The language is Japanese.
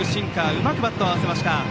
うまくバットを合わせました。